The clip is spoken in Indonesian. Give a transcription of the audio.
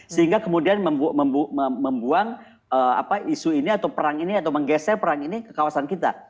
sehingga kemudian membuang isu ini atau perang ini atau menggeser perang ini ke kawasan kita